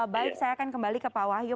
baik saya akan kembali ke pak wahyu